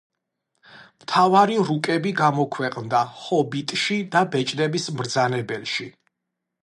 მთავარი რუკები გამოქვეყნდა „ჰობიტში“ და „ბეჭდების მბრძანებელში“.